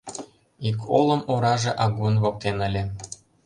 Ик олым ораже агун воктен ыле.